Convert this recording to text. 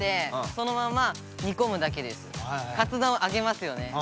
カツ丼あげますよね。